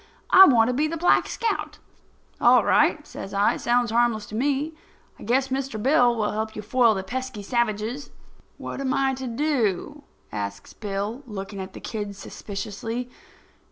I want to be the Black Scout." "All right," says I. "It sounds harmless to me. I guess Mr. Bill will help you foil the pesky savages." "What am I to do?" asks Bill, looking at the kid suspiciously.